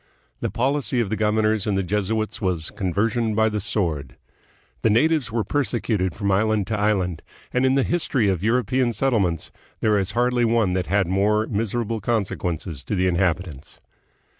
The policy of the governors and the Jesuits was conversion by the sword. The natives were persecuted from island to island, and in the history of European settlements there is hardly one that had more miserable consequences to the inhabitants.